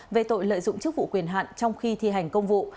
về tội lợi dụng chức vụ quyền hạn trong khi thi hành công vụ